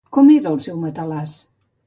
Com era el seu matalàs?